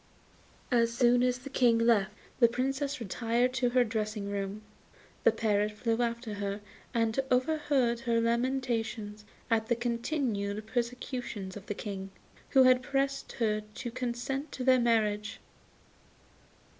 As soon as the King left, the Princess retired to her dressing room, the parrot flew after her and overheard her lamentations at the continued persecutions of the King, who had pressed her to consent to their marriage.